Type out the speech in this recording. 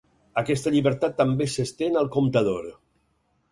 Aquesta llibertat també s'estén al comptador.